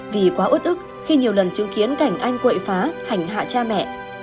vì quá ốt ức khi nhiều lần chứng kiến cảnh anh quậy phá hành hạ cha mẹ